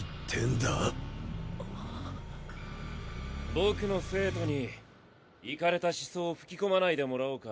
・僕の生徒にイカれた思想を吹き込まないでもらおうか。